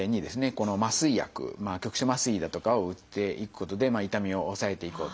この麻酔薬局所麻酔だとかを打っていくことで痛みを抑えていこうと。